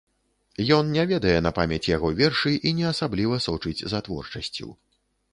Ён не ведае на памяць яго вершы і не асабліва сочыць за творчасцю.